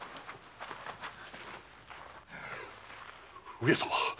上様。